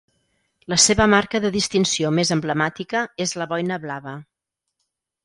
La seva marca de distinció més emblemàtica és la boina blava.